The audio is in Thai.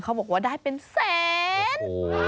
เขาบอกว่าได้เป็นแสน